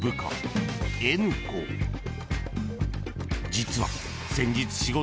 ［実は］